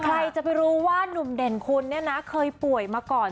ใครจะไปรู้ว่านุ่มเด่นคุณเนี่ยนะเคยป่วยมาก่อน